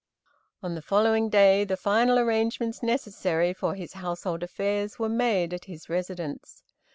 On the following day the final arrangements necessary for his household affairs were made at his residence.